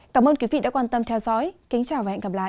cảm ơn quý vị đã quan tâm theo dõi kính chào và hẹn gặp lại